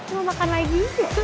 mau makan lagi